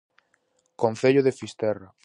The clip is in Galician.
Concello de Fisterra.